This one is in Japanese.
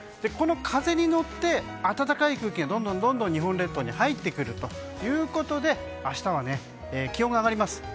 この風に乗って、暖かい空気がどんどん日本列島に入ってくるということで明日は気温が上がります。